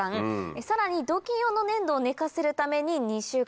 さらに土器用の粘土を寝かせるために２週間。